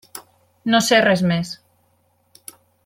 No sé res més.